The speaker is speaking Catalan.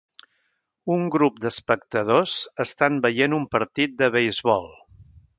Un grup d'espectadors estan veient un partit de beisbol.